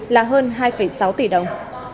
là hơn hai sáu tỷ đồng